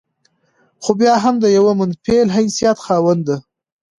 خو بيا هم د يوه منفعل حيثيت خاونده